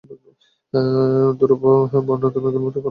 দূরের বনান্ত মেঘের মতোই কালো হইয়া উঠিল।